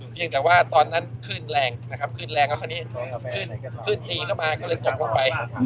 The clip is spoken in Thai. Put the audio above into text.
เพียงแต่ว่าตอนนั้นขึ้นแรงนะครับขึ้นแรงแล้วคราวนี้ขึ้นตีเข้ามาก็เลยตกลงไป